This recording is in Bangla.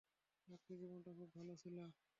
চাকরি জীবনটা খুব ভালো ছিল।